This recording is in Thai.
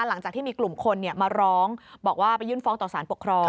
หลังจากที่มีกลุ่มคนมาร้องบอกว่าไปยื่นฟ้องต่อสารปกครอง